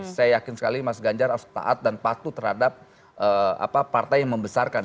saya yakin sekali mas ganjar harus taat dan patuh terhadap partai yang membesarkan